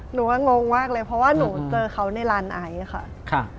หนูว่างงมากเลยเพราะว่าหนูเจอเขาในร้านไอซ์ค่ะ